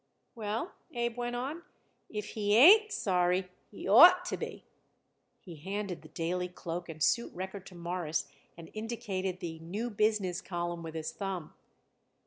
"Well," Abe went on, "if he ain't sorry he ought to be." He handed the Daily Cloak and Suit Record to Morris and indicated the New Business column with his thumb.